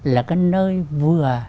là cái nơi vừa